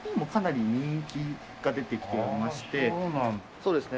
そうですね。